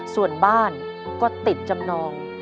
ส่วนบ้านก็ติดจำนอง